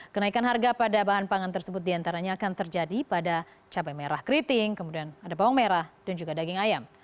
kenaikan harga pada bahan pangan tersebut diantaranya akan terjadi pada cabai merah keriting kemudian ada bawang merah dan juga daging ayam